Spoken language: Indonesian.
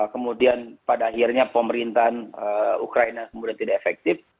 kemudian pada akhirnya pemerintahan ukraina kemudian tidak efektif